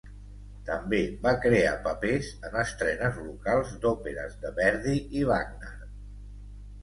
També va crear papers en estrenes locals d'òperes de Verdi i Wagner.